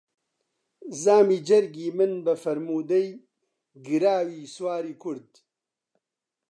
زامی جەرگی من بە فەرموودەی گراوی سواری کورد